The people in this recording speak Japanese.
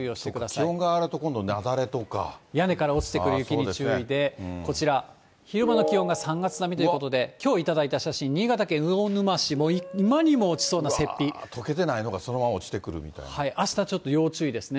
気温が上がると今度、屋根から落ちてくる雪に注意で、こちら、昼間の気温が３月並みということで、きょう頂いた写真、新潟県魚沼市、とけてないのがそのまま落ちあしたちょっと要注意ですね。